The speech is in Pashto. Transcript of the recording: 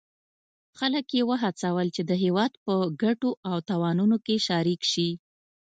خلک یې وهڅول چې د هیواد په ګټو او تاوانونو کې شریک شي.